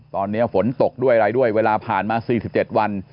ตอนนี้ฝนตกด้วยอะไรด้วยเวลาผ่านมา๔๗วัน